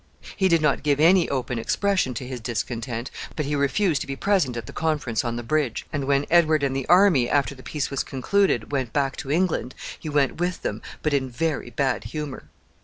He did not give any open expression to his discontent, but he refused to be present at the conference on the bridge, and, when Edward and the army, after the peace was concluded, went back to England, he went with them, but in very bad humor.